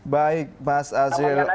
baik mas azril